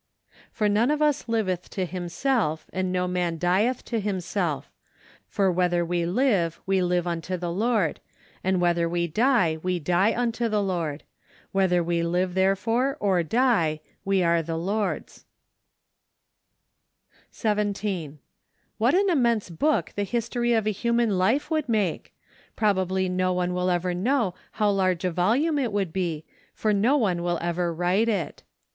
" For none of us liveth to himself, and no man dieth to himself For whether we live, we live unto the Lord: and whether we die , we die unto the Lord: whether we live therefore , or die, we are the Lord's 44 APRIL. 17. What an immense book the history of a human life would make ! Probably no one will ever know how large a volume it would be, for no one will ever write it.